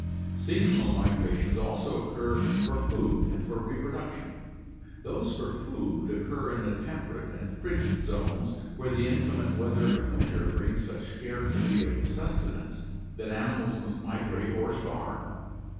Seasonal migrations also occur for food and for reproduction. Those for food occur in the temperate and frigid zones where the inclement weather of winter brings such scarcity of sustenance that animals must migrate or starve.